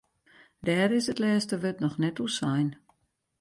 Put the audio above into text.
Dêr is it lêste wurd noch net oer sein.